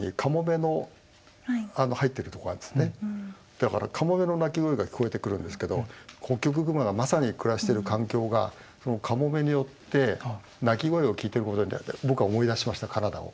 だからカモメの鳴き声が聞こえてくるんですけどホッキョクグマがまさに暮らしてる環境がそのカモメによって鳴き声を聞いてることによって僕は思い出しましたカナダを。